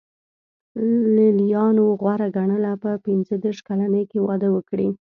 لېلیانو غوره ګڼله په پنځه دېرش کلنۍ کې واده وکړي.